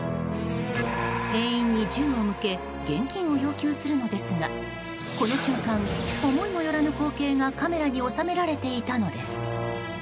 店員に銃を向け現金を要求するのですがこの瞬間、思いもよらぬ光景がカメラに収められていたのです。